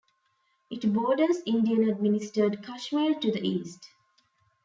It borders Indian-administered Kashmir to the east.